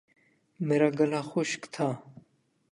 میرا گلا خشک تھا